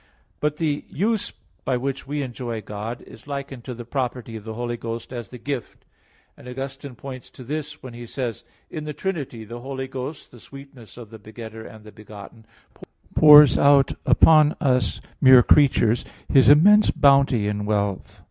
But the "use" by which we enjoy God, is likened to the property of the Holy Ghost as the Gift; and Augustine points to this when he says (De Trin. vi, 10): "In the Trinity, the Holy Ghost, the sweetness of the Begettor and the Begotten, pours out upon us mere creatures His immense bounty and wealth."